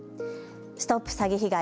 ＳＴＯＰ詐欺被害！